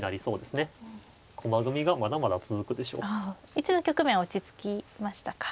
一度局面は落ち着きましたかええ。